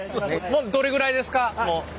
もうどれぐらいですか？